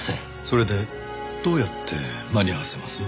それでどうやって間に合わせます？